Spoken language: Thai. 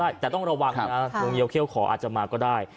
อ่ะไปต่อกันค่ะคุณผู้ชมคะ